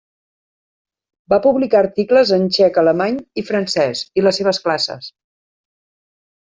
Va publicar articles en txec, alemany i francès i les seves classes.